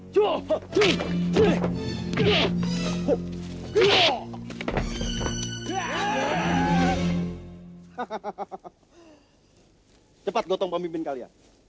cepat gotong pemimpin kalian